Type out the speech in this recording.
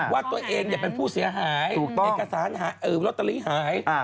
ว่าตัวเองเนี่ยเป็นผู้เสียหายถูกต้องเอกสารเออรัตตาลีหายอ่า